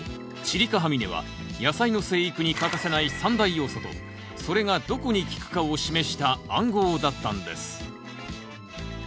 チリカハミネは野菜の生育に欠かせない３大要素とそれがどこに効くかを示した暗号だったんです。